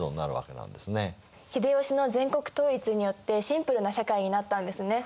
秀吉の全国統一によってシンプルな社会になったんですね。